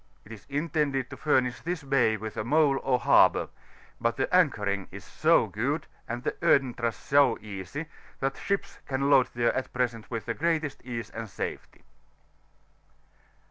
It is intended to Aimish this bay with a mole or harbour; but the anchoring is so good, and the entrance so easy, that ships can load there at present with the greatest ease and safety.